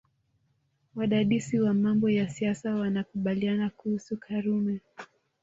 Wadadisi wa mambo ya siasa wanakubaliana kuhusu Karume